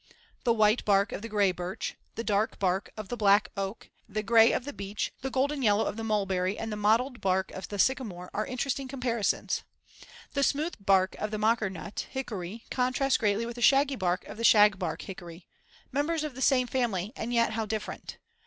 The white bark of the gray birch, the dark bark of the black oak, the gray of the beech, the golden yellow of the mulberry and the mottled bark of the sycamore are interesting comparisons. The smooth bark of the mockernut hickory contrasts greatly with the shaggy bark of the shagbark hickory members of the same family and yet how different.